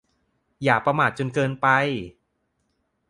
อย่าประมาทจนเกินไป